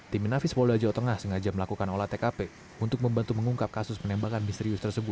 tim inafis polda jawa tengah sengaja melakukan olah tkp untuk membantu mengungkap kasus penembakan misterius tersebut